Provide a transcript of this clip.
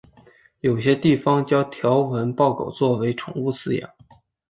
有些地区将条纹鬣狗作为宠物饲养。